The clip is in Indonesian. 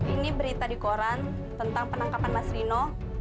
ini berita di koran tentang penangkapan mas rino